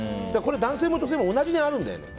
男性も女性も同じにあるんだよね。